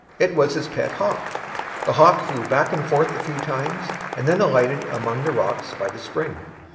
It was his pet hawk. The hawk flew back and forth a few times, and then alighted among the rocks by the spring.